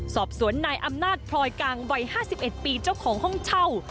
สอบสวนนายอำนาจพลอยกางวัยห้าสิบเอ็ดปีเจ้าของห้องเช่า